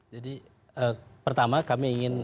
jadi pertama kami ingin